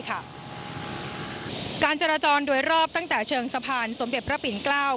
การจราจรโดยรอบตั้งแต่เชิงสะพานศรพรปินกล้าว